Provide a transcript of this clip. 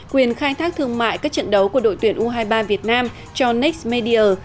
quyền khai thác thương mại các trận đấu của đội tuyển u hai mươi ba việt nam cho nextmedia